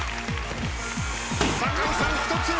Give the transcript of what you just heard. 酒井さん１つ！